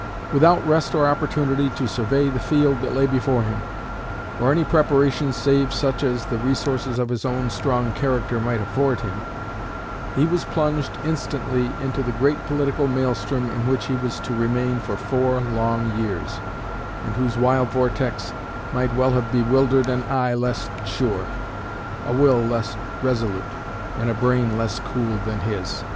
Without rest or opportunity to survey the field that lay before him, or any preparations save such as the resources of his own strong character might afford him, he was plunged instantly into the great political maelstrom in which he was to remain for four long years, and whose wild vortex might well have bewildered an eye less sure, a will less resolute, and a brain less cool than his.